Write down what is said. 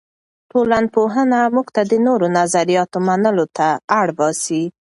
ټولنپوهنه موږ ته د نورو نظریاتو منلو ته اړ باسي.